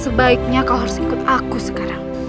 sebaiknya kau harus ikut aku sekarang